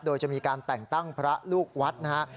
โดยจะมีการแต่งตั้งพระลูกวัดนะครับ